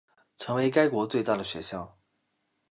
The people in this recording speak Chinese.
成为该国最大的学校。